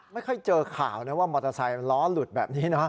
ไม่ค่อยเจอข่าวนะว่ามอเตอร์ไซค์ล้อหลุดแบบนี้นะ